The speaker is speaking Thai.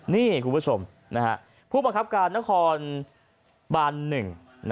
นี่คุณผู้ชมผู้บังคับการนครบานหนึ่ง